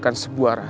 jangan menindak juga